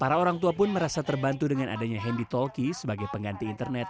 para orang tua pun merasa terbantu dengan adanya handy talki sebagai pengganti internet